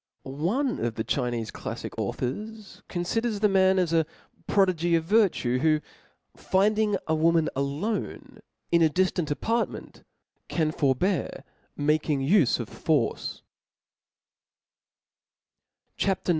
One of the Chinefe claffic authors conHders the m^n as a prodigy gf virtue, who finding a woman alone in a diftant apartment, can fi)rbear making ijfe of force */ CHAP. IX.